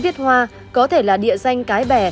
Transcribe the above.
chữ viên hoa có thể là địa danh cái bè